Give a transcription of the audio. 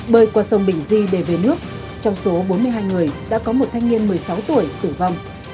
bơi qua sông bình di để về nước trong số bốn mươi hai người đã có một thanh niên một mươi sáu tuổi tử vong